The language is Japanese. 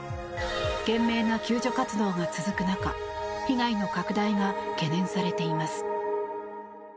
懸命な救助活動が続く中被害の拡大が懸念されています。